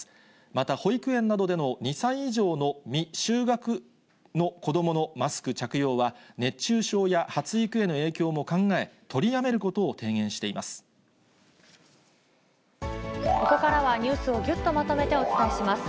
また保育園などでの２歳以上の未就学の子どものマスク着用は、熱中症や発育への影響も考え、ここからはニュースをぎゅっとまとめてお伝えします。